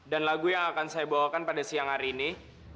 dan lagu yang akan saya bawakan pada siang hari ini